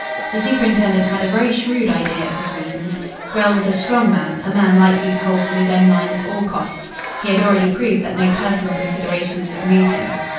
The superintendent had a very shrewd idea of his reasons. Grell was a strong man a man likely to hold to his own line at all costs. He had already proved that no personal considerations would move him.